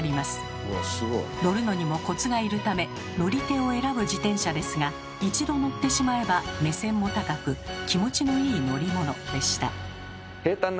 乗るのにもコツがいるため乗り手を選ぶ自転車ですが一度乗ってしまえば目線も高く気持ちのいい乗り物でした。